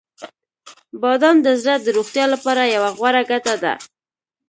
• بادام د زړه د روغتیا لپاره یوه غوره ګټه ده.